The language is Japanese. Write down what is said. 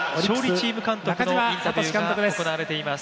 中嶋聡監督のインタビューが行われています。